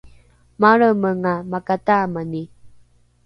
malremenga makataamani